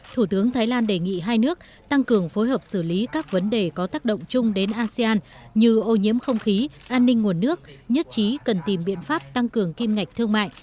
thủ tướng thái lan đề nghị hai nước tăng cường phối hợp xử lý các vấn đề có tác động chung đến asean như ô nhiễm không khí an ninh nguồn nước nhất trí cần tìm biện pháp tăng cường kim ngạch thương mại